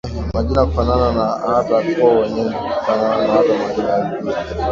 Majina kufanana na hata koo nyingi kufanana na hata majina ya Vijiji